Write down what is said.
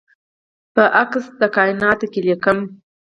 په تصویر د کائیناتو کې ليکمه